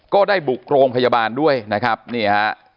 ก็ได้บุกโรงพยาบาลด้วยนะครับนี่ฮะ